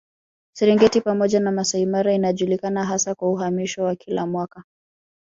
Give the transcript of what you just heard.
Serengeti pamoja na Masai Mara inajulikana hasa kwa uhamisho wa kila mwaka